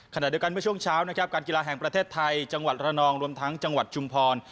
ขณะเดียวกันเมื่อช่วงเช้านะครับการกีฬาแห่งประเทศไทยจังหวัดระนองรวมทั้งจังหวัดชุมพร